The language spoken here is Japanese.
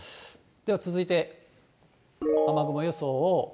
では、続いて雨雲予想を。